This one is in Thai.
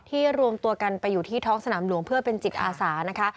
รวมตัวกันไปอยู่ที่ท้องสนามหลวงเพื่อเป็นจิตอาสานะคะ